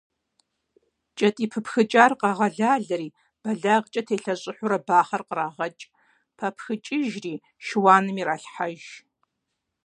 КӀэтӀий пыпхыкӀар къагъэлалэри, бэлагъкӀэ телъэщӀыхьурэ бахъэр кърагъэкӀ, папхыкӀыжри, шыуаным иралъхьэж.